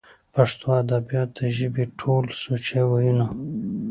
پښتو ادبيات د ژبې ټول سوچه وييونو